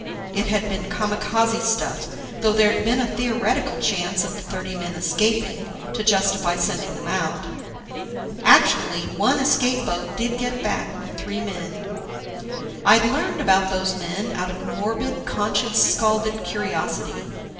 It had been kamikaze stuff, though there'd been a theoretical chance of the thirty men escaping, to justify sending them out. Actually, one escape boat did get back with three men. I'd learned about those men, out of morbid, conscience scalded curiosity.